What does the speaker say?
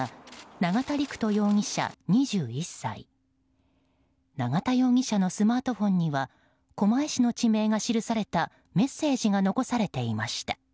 永田容疑者のスマートフォンには狛江市の地名が記されたメッセージが残されていました。